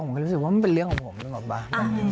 ผมก็รู้สึกว่ามันเป็นเรื่องของผม